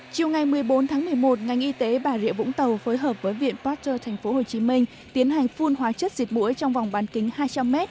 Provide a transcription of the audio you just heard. chiều ngày một mươi bốn tháng một mươi một ngành y tế bà rịa vũng tàu phối hợp với viện pasteur tp hcm tiến hành phun hóa chất diệt mũi trong vòng bán kính hai trăm linh m